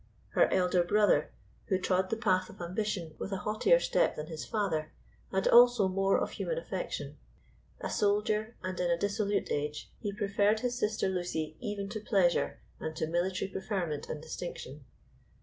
Her elder brother, who trode the path of ambition with a haughtier step than his father, had also more of human affection. A soldier, and in a dissolute age, he preferred his sister Lucy even to pleasure and to military preferment and distinction.